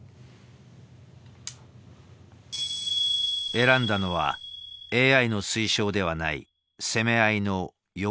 選んだのはＡＩの推奨ではない攻め合いの４五桂馬。